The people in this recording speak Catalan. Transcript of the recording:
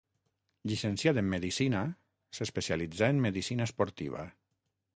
Llicenciat en medicina, s'especialitzà en medicina esportiva.